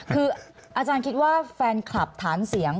คืออาจารย์คิดว่าแฟนคลับฐานเสียง